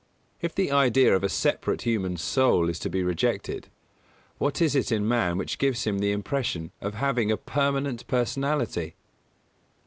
_If the idea of a separate human "soul" is to be rejected, what is it in man which gives him the impression of having a permanent personality?